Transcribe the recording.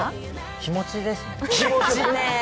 気持ちですね。